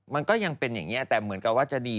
มันก็ยังเป็นอย่างนี้แต่เหมือนกับว่าจะดี